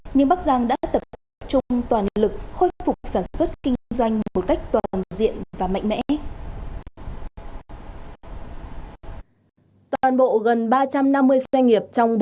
nhưng bắc giang đã tập trung toàn lực khôi phục sản xuất kinh doanh một cách toàn diện và mạnh mẽ